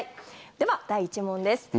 では、第１問です。